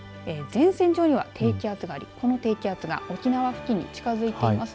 前線上には低気圧がありこの低気圧が沖縄付近に近づいています。